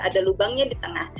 ada lubangnya di tengah